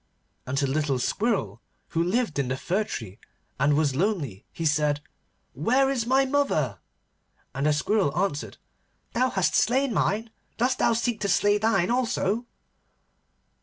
And to the little Squirrel who lived in the fir tree, and was lonely, he said, 'Where is my mother?' And the Squirrel answered, 'Thou hast slain mine. Dost thou seek to slay thine also?